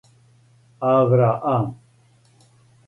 Авраам